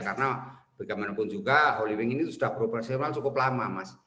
karena bagaimanapun juga holywings ini sudah beroperasi cukup lama mas